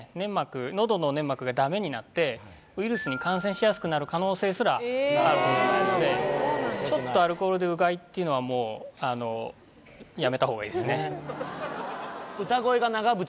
喉の粘膜がダメになってウイルスに感染しやすくなる可能性すらあると思いますのでちょっとアルコールでうがいっていうのはもうやめた方がいいですね乾杯！